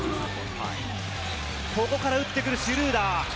ここから打ってくるシュルーダー。